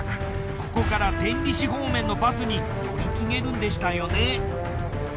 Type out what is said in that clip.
ここから天理市方面のバスに乗り継げるんでしたよね。